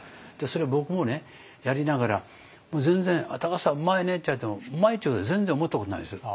それ僕もやりながら全然「田さんうまいね」って言われてもうまいというふうに全然思ったことないですよ。